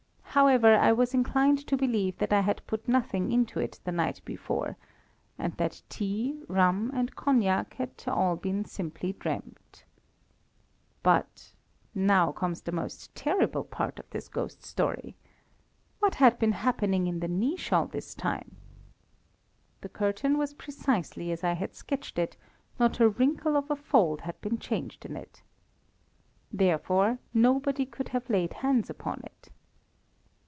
However, I was inclined to believe that I had put nothing into it the night before, and that tea, rum, and cognac had all been simply dreamt. But now comes the most terrible part of this ghost story. What had been happening in the niche all this time? The curtain was precisely as I had sketched it, not a wrinkle of a fold had been changed in it. Therefore, nobody could have laid hands upon it.